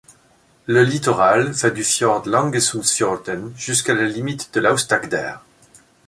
Le littoral va du fjord Langesundsfjorden jusqu’à la limite de l’Aust-Agder.